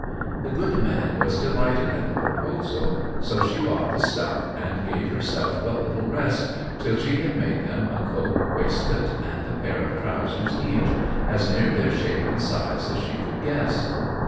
The good man was delighted at the proposal; so she bought the stuff, and gave herself but little rest till she had made them a coat, waistcoat, and a pair of trowsers each, as near their shape and size as she could guess.